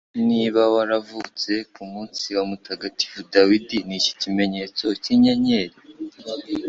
Niba waravutse kumunsi wa mutagatifu Dawidi Niki kimenyetso cyinyenyeri?